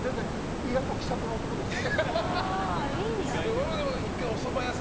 意外と気さくな男ですよ。